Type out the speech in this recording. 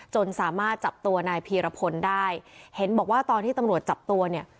จนสามารถจับตัวนายพีรพลได้เห็นบอกว่าตอนที่ตำรวจจับตัวเนี่ย